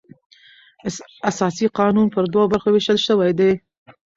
اساسي قانون پر دوو برخو وېشل سوى دئ.